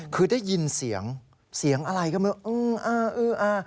คือได้ยินเสียงเสียงอะไรก็ไม่รู้อ่า